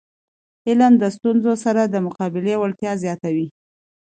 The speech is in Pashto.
علم د ستونزو سره د مقابلي وړتیا زیاتوي.